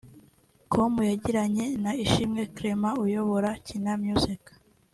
com yagiranye na Ishimwe Clement uyobora Kina Music